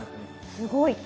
すごい！